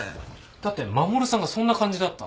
だって衛さんがそんな感じだった。